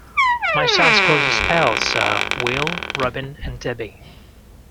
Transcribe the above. My son's closest pals are Will, Robin and Debbie.